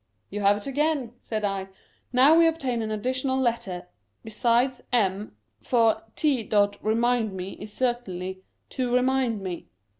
" You have it again," said I. " Now we obtain an additional letter besides m^ for /. remind me is certainly to remind me.